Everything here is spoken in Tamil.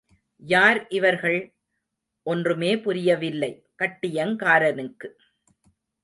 யார் இவர்கள்? ஒன்றுமே புரியவில்லை கட்டியங்காரனுக்கு.